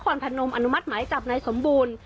ก่อนพนมอนุมัติหมายจับในสมบูรณ์